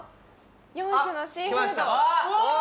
４種のシーフードおーっ！